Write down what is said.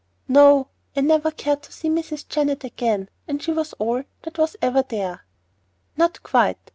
"No. I never cared to see Mrs. Jennett again; and she was all that was ever there." "Not quite.